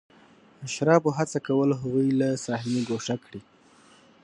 اشرافو هڅه کوله هغوی له صحنې ګوښه کړي.